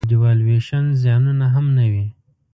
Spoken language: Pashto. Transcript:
د devaluation زیانونه هم نه وي.